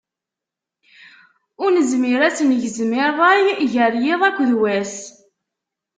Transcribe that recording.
Ur nezmir ad tt-negzem i rray gar yiḍ akked wass.